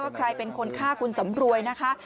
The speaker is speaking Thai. ใครเป็นคนฆ่าคุณสำรวยนะคะ